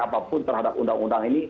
apapun terhadap undang undang ini